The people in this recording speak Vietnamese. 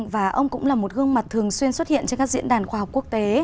và ông cũng là một gương mặt thường xuyên xuất hiện trên các diễn đàn khoa học quốc tế